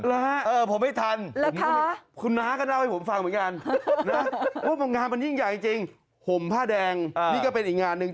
แล้วคุณมองงานมันยิ่งใหญ่จริงห่มพ่าแดงนี่ก็เป็นอีกงานนึง